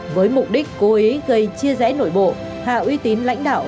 với mục đích cố ý gây chia rẽ nội bộ hạ uy tín lãnh đạo